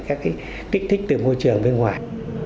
các cái kích thích từ môi trường bên ngoài